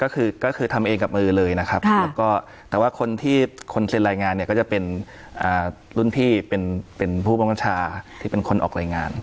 ก็คือทำเองกับมือเลยนะครับแล้วก็แต่ว่าคนที่คนเซ็นรายงานเนี่ยก็จะเป็นรุ่นพี่เป็นผู้บังคับชาที่เป็นคนออกรายงาน